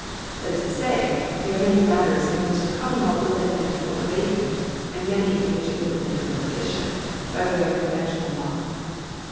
That is to say, there are many matters in which the common law will admit of no abatement, and many in which it will admit of no addition, by way of conventional law.